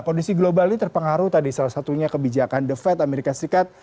kondisi global ini terpengaruh tadi salah satunya kebijakan the fed amerika serikat